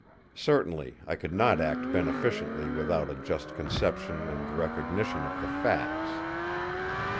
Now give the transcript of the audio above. Certainly, I could not act beneficently without a just conception and recognition of the facts.